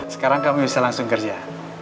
sekarang kamu bisa langsung kerja